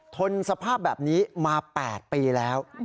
ทนสภาพแบบนี้มา๘ปีแล้ว